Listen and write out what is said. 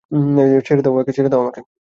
ছেড়ে দাও আমাকে।